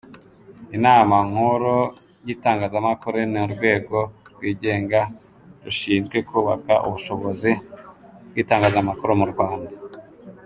Inama Nkuru y’Itangazamakuru ni Urwego rwigenga rushinzwe kubaka ubushobozi bw’Itangazamakuru mu Rwanda.